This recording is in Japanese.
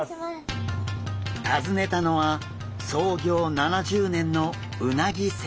訪ねたのは創業７０年のうなぎ専門店。